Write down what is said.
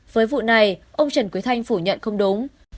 với vụ này ông trần quý thanh phủ nhận không đúng